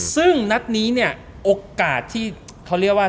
ซึ่งนัดนี้เนี่ยโอกาสที่เขาเรียกว่า